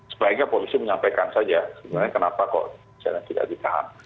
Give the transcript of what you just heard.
sebaiknya polisi menyampaikan saja sebenarnya kenapa kok misalnya tidak ditahan